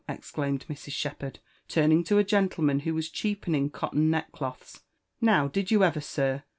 exclaimed Mrs. Shepherd, turning to a gentleman who was cfieapening cotton neck clolhs. '* Now did you ever, sir?